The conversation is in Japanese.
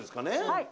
はい。